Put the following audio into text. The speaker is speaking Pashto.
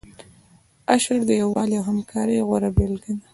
اشر د یووالي او همکارۍ غوره بیلګه ده.